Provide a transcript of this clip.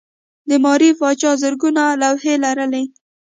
د ماري پاچا زرګونه لوحې لرلې.